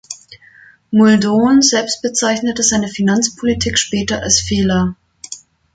Muldoon selbst bezeichnete seine Finanzpolitik später als Fehler.